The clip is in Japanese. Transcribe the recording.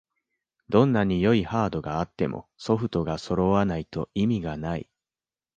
どんなに良いハードがあってもソフトがそろわないと意味がない